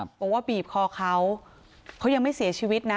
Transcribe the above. บอกว่าบีบคอเขาเขายังไม่เสียชีวิตนะ